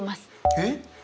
えっ？